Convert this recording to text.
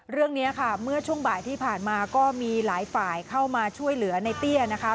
เรื่องนี้ค่ะเมื่อช่วงบ่ายที่ผ่านมาก็มีหลายฝ่ายเข้ามาช่วยเหลือในเตี้ยนะคะ